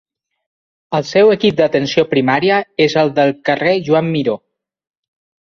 El seu equip d'atenció primària és el del carrer Joan Miró.